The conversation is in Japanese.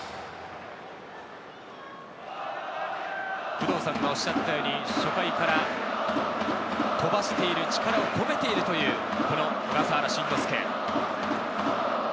工藤さんがおっしゃったように、初回から飛ばしている、力を込めているという、この小笠原慎之介。